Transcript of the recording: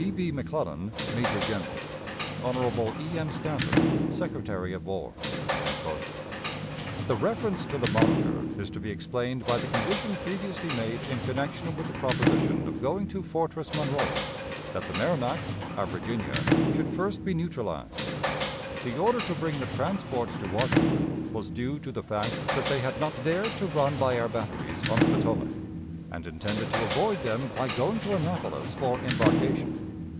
"G. B. MCCLELLAN, Major General. "Hon. E. M. STANTON, Secretary of War." The reference to the Monitor is to be explained by the condition previously made in connection with the proposition of going to Fortress Monroe, that the Merrimac, our Virginia, should first be neutralized. The order to bring the "transports" to Washington was due to the fact that they had not dared to run by our batteries on the Potomac, and intended to avoid them by going to Annapolis for embarkation.